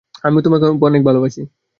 আমিও তোমাকে অনেক ভালবাসি।